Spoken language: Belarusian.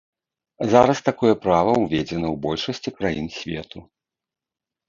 Зараз такое права ўведзена ў большасці краін свету.